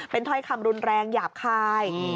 เป็นถ่อยคำรุนแรงหยาบคาย